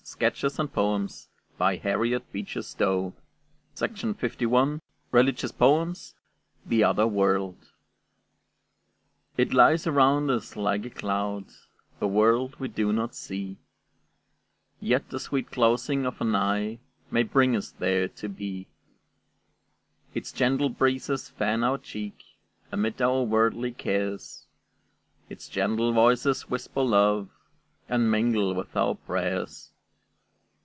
Sing cares and griefs to rest; Sing, till entrancèd we arise To join you 'mong the blest THE OTHER WORLD It lies around us like a cloud, A world we do not see; Yet the sweet closing of an eye May bring us there to be. Its gentle breezes fan our cheek; Amid our worldly cares, Its gentle voices whisper love, And mingle with our prayers.